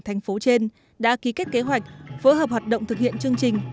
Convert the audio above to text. thành phố trên đã ký kết kế hoạch phối hợp hoạt động thực hiện chương trình